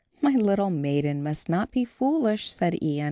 "My little maiden must not be foolish," said Ian.